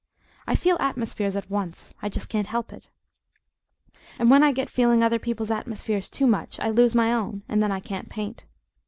I feel atmospheres at once; I just can't help it. And when I get feeling other people's atmospheres too much I lose my own, and then I can't paint.